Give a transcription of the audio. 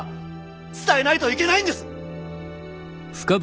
伝えないといけないんです！